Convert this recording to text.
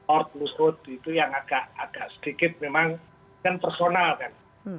org lusut itu yang agak sedikit memang personal kan